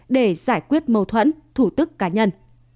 để giải quyết mâu thuẫn thủ tức cá nhân